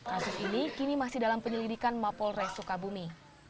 kasus ini kini masih dalam penyelidikan mapol res sukabumi